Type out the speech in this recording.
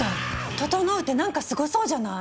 「ととのう」ってなんかスゴそうじゃない！